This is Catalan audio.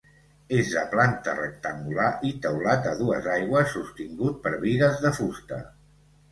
És de planta rectangular i teulat a dues aigües sostingut per bigues de fusta.